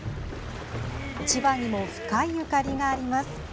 千葉にも深いゆかりがあります。